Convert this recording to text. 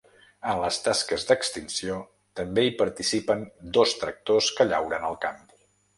En les tasques d’extinció, també hi participen dos tractors que llauren el camp.